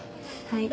はい。